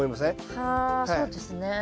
はあそうですね。